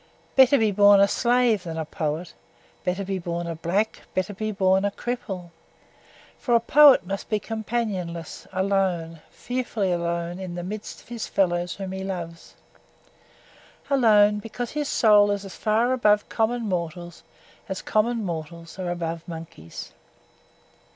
Better be born a slave than a poet, better be born a black, better be born a cripple! For a poet must be companionless alone! fearfully alone in the midst of his fellows whom he loves. Alone because his soul is as far above common mortals as common mortals are above monkeys.